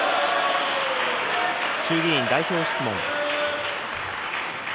衆議院代表質問。